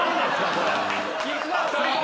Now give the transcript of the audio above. これ。